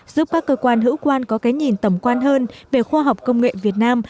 giúp các cơ quan hữu quan có cái nhìn tầm quan hơn về khoa học công nghệ việt nam